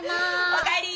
おかえり。